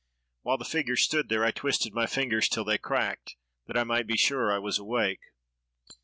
While the figure stood there, I twisted my fingers till they cracked, that I might be sure I was awake.